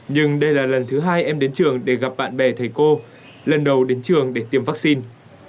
nhưng đây là lần thứ hai em đến trường để gặp bạn bè thầy cô lần đầu đến trường để tiêm vaccine